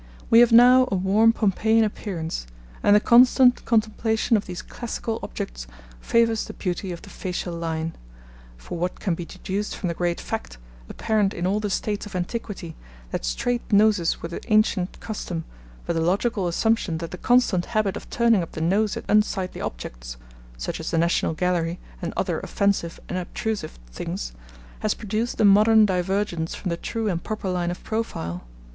We have now a warm Pompeian appearance, and the constant contemplation of these classical objects favours the beauty of the facial line; for what can be deduced from the great fact, apparent in all the states of antiquity, that straight noses were the ancient custom, but the logical assumption that the constant habit of turning up the nose at unsightly objects such as the National Gallery and other offensive and obtrusive things has produced the modern divergence from the true and proper line of profile?